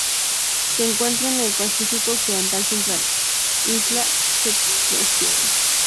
Se encuentra en el Pacífico occidental central: isla Chesterfield.